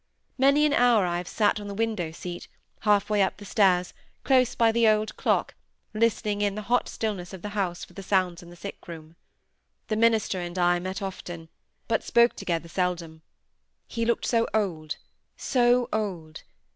Many an hour have I sate on the window seat, half way up the stairs, close by the old clock, listening in the hot stillness of the house for the sounds in the sick room. The minister and I met often, but spoke together seldom. He looked so old—so old!